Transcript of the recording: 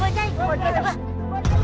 bajanya kesayangan mbak tenggelam